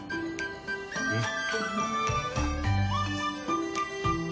うん。